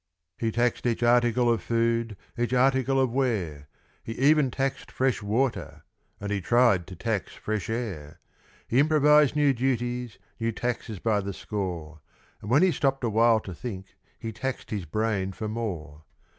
He taxed each article of food, each article of wear, He even taxed fresh water, and he tried to tax fresh air; He improvised new duties, new taxes by the score, And when he stopped awhile to think he taxed his brain for more.